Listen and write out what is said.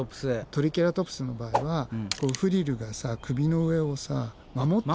トリケラトプスの場合はフリルがさ首の上を守ってる。